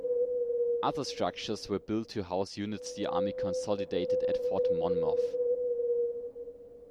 Other structures were built to house units the Army consolidated at Fort Monmouth.